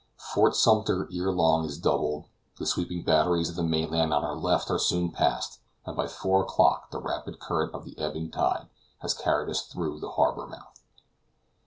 Fort Sumter ere long is doubled, the sweeping batteries of the mainland on our left are soon passed, and by four o'clock the rapid current of the ebbing tide has carried us through the harbor mouth.